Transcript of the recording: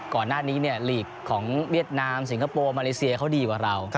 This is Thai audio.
ก่อนหน้านี้ลีกของเวียดนามสิงคโปร์มาเลเซียเขาดีกว่าเรา